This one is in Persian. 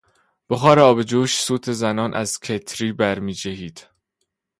بخار آب جوش سوت زنان از کتری برمیجهید.